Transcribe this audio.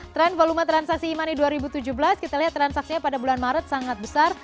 tren volume transaksi e money dua ribu tujuh belas kita lihat transaksinya pada bulan maret sangat besar